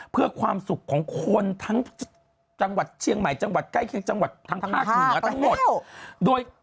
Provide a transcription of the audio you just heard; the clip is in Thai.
เพื่อความสุขของคนทั้งจังหวัดเชียงใหม่จังหวัดใกล้เคียงจังหวัดทางภาคเหนือทั้งหมดโดย